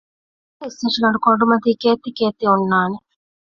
ފަން އިސްތަށިގަނޑު ކޮނޑުމަތީ ކޭއްތި ކޭއްތި އޮންނާނެ